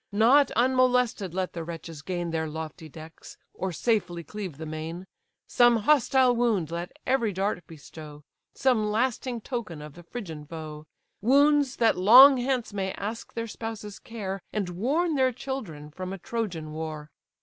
Not unmolested let the wretches gain Their lofty decks, or safely cleave the main; Some hostile wound let every dart bestow, Some lasting token of the Phrygian foe, Wounds, that long hence may ask their spouses' care. And warn their children from a Trojan war.